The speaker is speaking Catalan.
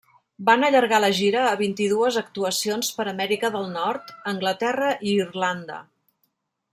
Van allargar la gira a vint-i-dues actuacions per Amèrica del nord, Anglaterra i Irlanda.